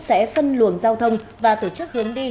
sẽ phân luồng giao thông và tổ chức hướng đi